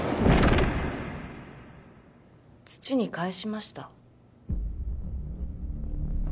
土に還しました。